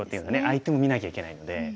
相手も見なきゃいけないので。